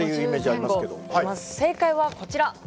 正解はこちら！